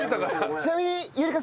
ちなみに。